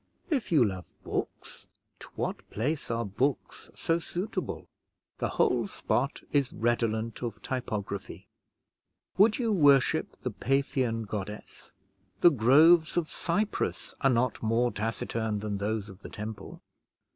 If you love books, to what place are books so suitable? The whole spot is redolent of typography. Would you worship the Paphian goddess, the groves of Cyprus are not more taciturn than those of the Temple.